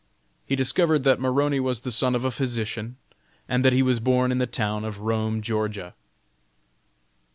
He discovered that Maroney was the son of a physician, and that he was born in the town of Rome, Ga.